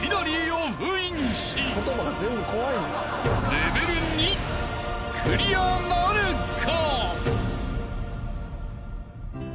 ［レベル２クリアなるか？］